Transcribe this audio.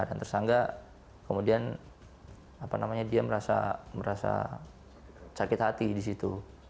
dan tersangka kemudian merasa sakit hati di situ